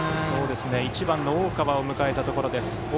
１番の大川快龍を迎えたところ。